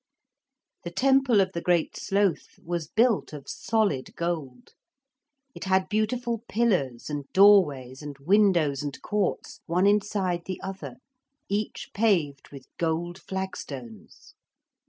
The temple of the Great Sloth was built of solid gold. It had beautiful pillars and doorways and windows and courts, one inside the other, each paved with gold flagstones.